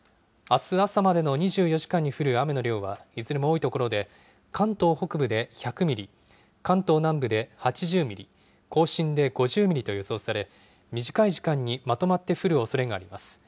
あす朝までの２４時間に降る雨の量は、いずれも多い所で、関東北部で１００ミリ、関東南部で８０ミリ、甲信で５０ミリと予想され、短い時間にまとまって降るおそれがあります。